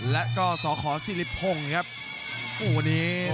และอัพพิวัตรสอสมนึก